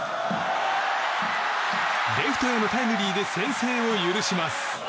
レフトへのタイムリーで先制を許します。